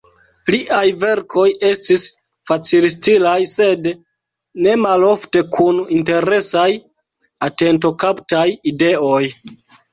Liaj verkoj estis facilstilaj, sed nemalofte kun interesaj, atentokaptaj ideoj.